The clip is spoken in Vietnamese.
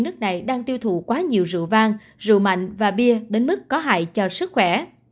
nước này đang tiêu thụ quá nhiều rượu vang rượu mạnh và bia đến mức có hại cho sức khỏe